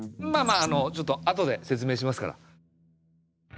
まあまああのちょっとあとで説明しますから。